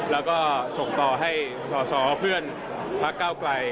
แล้วก็ส่งต่อให้สอสอเพื่อนพักเก้าไกล